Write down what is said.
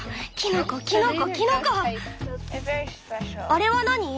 あれは何？